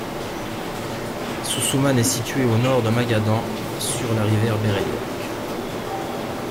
Soussouman est située à au nord de Magadan, sur la rivière Bereliokh.